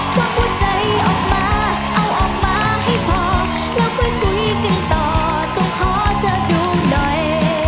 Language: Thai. จับหัวใจออกมาเอาออกมาให้พอแล้วค่อยคุยกันต่อต้องขอเธอดูหน่อย